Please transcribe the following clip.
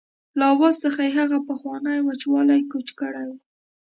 له آواز څخه یې هغه پخوانی وچوالی کوچ کړی و.